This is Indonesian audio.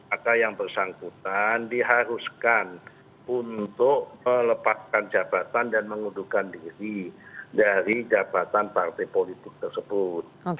maka yang bersangkutan diharuskan untuk melepaskan jabatan dan mengundurkan diri dari jabatan partai politik tersebut